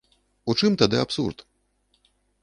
У чым тады абсурд?